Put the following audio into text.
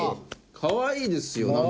かわいいですよなんか。